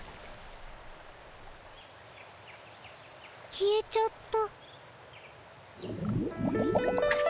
消えちゃった。